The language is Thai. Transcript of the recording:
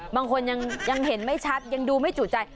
บางคนยังเห็นไม่ชัดยังดูไม่จุใจ